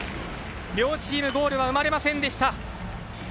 両チームゴールは生まれませんでした。